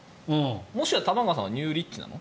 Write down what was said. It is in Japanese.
もしや玉川さんはニューリッチなの？